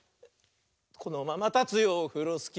「このままたつよオフロスキー」